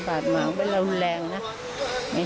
แม่ของแม่แม่ของแม่